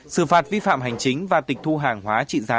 xử phạt vi phạm hành chính và tịch thu hàng hóa trị giá